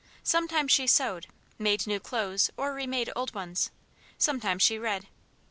Sometimes she sewed made new clothes or remade old ones; sometimes she read.